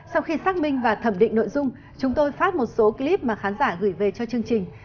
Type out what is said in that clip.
sau khi xác minh và thẩm định nội dung chúng tôi phát một số clip mà khán giả gửi về cho chương trình